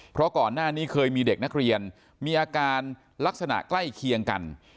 เพราะก่อนหน้านี้เคยมีเด็กนักเรียนมีอาการลักษณะใกล้เคียงกัน